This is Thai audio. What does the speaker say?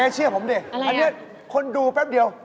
เจ๊เชื่อผมเลยเจ๊อันนี้คนดูแป๊บเดียว